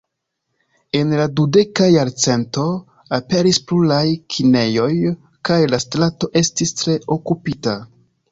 En la dudeka jarcento aperis pluraj kinejoj, kaj la strato estis tre okupita.